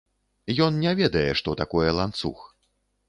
Ён не ведае, што такое ланцуг.